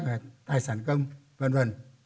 và tài sản công v v